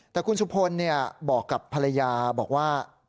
แต่คุณสุภนเนี่ยบอกกับภรรยาบอกว่า